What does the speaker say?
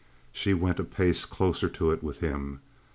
She went a pace closer to it with him.